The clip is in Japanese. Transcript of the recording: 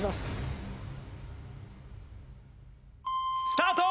スタート！